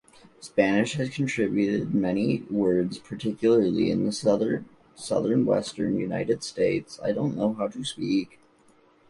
Spanish has contributed many words, particularly in the southwestern United States.